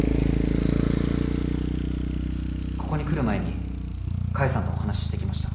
ここに来る前に菓恵さんとお話ししてきました。